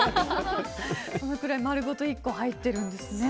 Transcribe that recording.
そのくらい丸ごと１個入っているんですね。